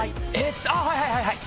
あっはいはいはいはい。